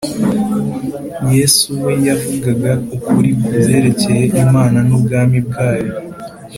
yesu we yavugaga ukuri ku byerekeye imana n ubwami bwayo